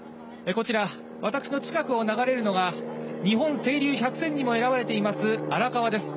こちら私の近くを流れるのが日本清流百選にも選ばれています、荒川です。